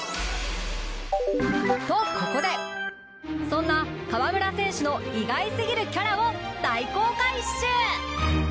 とここでそんな河村選手の意外すぎるキャラを大公開っシュ！